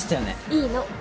いいの。